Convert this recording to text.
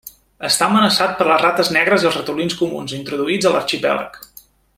Està amenaçat per les rates negres i els ratolins comuns introduïts a l'arxipèlag.